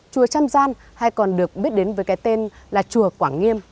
chùa trăm gian hay còn được biết đến với cái tên là chùa quảng nghiêm